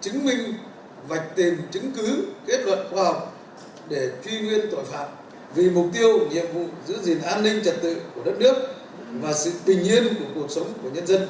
chứng minh vạch tìm chứng cứ kết luận khoa học để truy nguyên tội phạm vì mục tiêu nhiệm vụ giữ gìn an ninh trật tự của đất nước và sự bình yên của cuộc sống của nhân dân